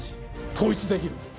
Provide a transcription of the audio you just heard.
統一できる！